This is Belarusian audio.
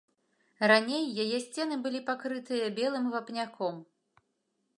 Раней яе сцены былі пакрытыя белым вапняком.